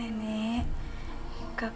kaka itu dan kakak kamu